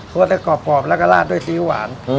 เพราะว่ากรอบแล้วก็ราดด้วยซีริมหวาน